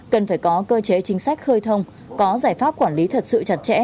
cần phải có cơ chế chính sách khơi thông có giải pháp quản lý thật sự chặt chẽ